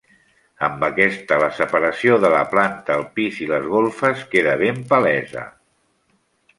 Amb aquests la separació de la planta, el pis i les golfes queda ben palesa.